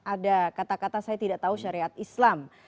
ada kata kata saya tidak tahu syariat islam